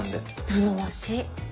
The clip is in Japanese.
頼もしい！